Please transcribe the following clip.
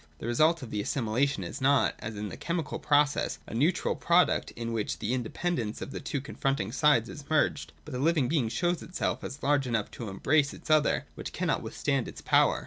The result of the assimilation is not, as in the chemical process, a neutral product in which the inde pendence of the two confronting sides is merged ; but the living being shows itself as large enough to embrace its other which cannot withstand its power.